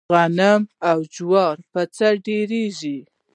غنم او جوار په څۀ ډېريږي؟